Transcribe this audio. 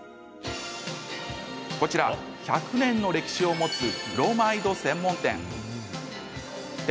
こちら、１００年の歴史を持つブロマイド専門店。